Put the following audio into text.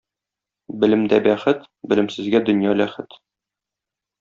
Белемдә бәхет, белемсезгә дөнья ләхет.